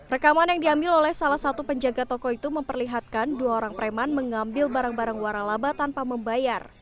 rekaman yang diambil oleh salah satu penjaga toko itu memperlihatkan dua orang preman mengambil barang barang waralaba tanpa membayar